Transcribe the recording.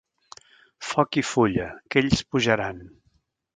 Foc i fulla, que ells pujaran!